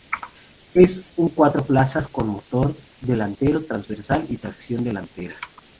Es un cuatro plazas con motor delantero transversal y tracción delantera.